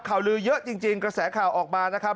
ข่าวลือเยอะจริงกระแสข่าวออกมานะครับ